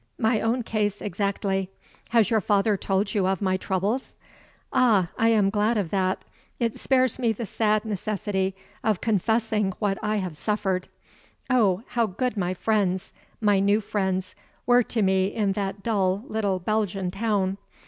My own case exactly. Has your father told you of my troubles? Ah, I am glad of that. It spares me the sad necessity of confessing what I have suffered. Oh, how good my friends, my new friends, were to me in that dull little Belgian town!